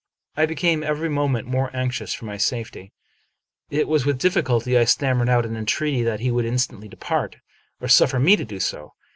I became every moment more anxious for my safety. It was with difficulty I stammered out an entreaty that he would instantly depart, or suffer me to do so.